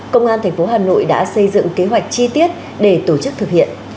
công an tp hà nội đã xây dựng kế hoạch chi tiết để tổ chức thực hiện